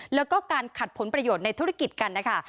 แล้วก็การขัดผลประโยชน์ในธุรกิจกันนะคะ